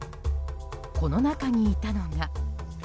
この中にいたのが。